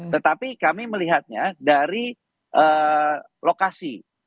tetapi kami melihatnya dari lokasi